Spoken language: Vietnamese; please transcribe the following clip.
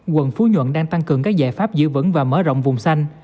quận phú nhuận đang tăng cường các giải pháp giữ vững và mở rộng vùng xanh